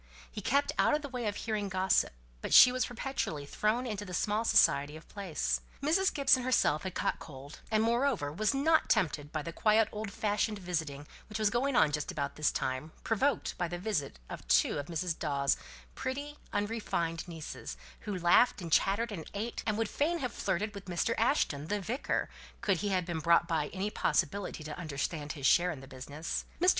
He kept out of the way of hearing gossip; but she was perpetually thrown into the small society of the place. Mrs. Gibson herself had caught cold, and moreover was not tempted by the quiet old fashioned visiting which was going on just about this time, provoked by the visit of two of Mrs. Dawes' pretty unrefined nieces, who laughed, and chattered, and ate, and would fain have flirted with Mr. Ashton, the vicar, could he have been brought by any possibility to understand his share in the business. Mr.